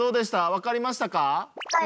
わかりましたか？